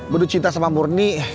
beduh cinta sama murni